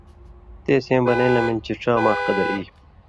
تے سېں بنَیں لمِل چےۡ ڇا ماݜ قدر ای،